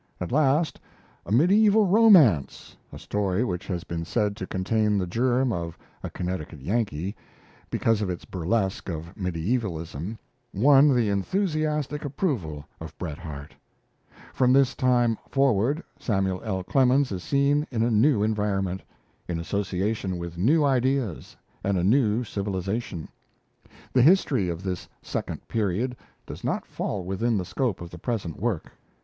At last, 'A Mediaeval Romance' a story which has been said to contain the germ of 'A Connecticut Yankee', because of its burlesque of mediaevalism won the enthusiastic approval of Bret Harte. From this time forward, Samuel L. Clemens is seen in a new environment, in association with new ideas and a new civilization. The history of this second period does not fall within the scope of the present work.